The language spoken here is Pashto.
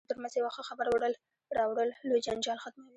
د دوو کسانو ترمنځ یو ښه خبر وړل راوړل لوی جنجال ختموي.